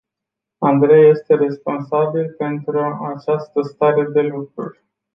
Andrei este responsabil pentru această stare de lucruri.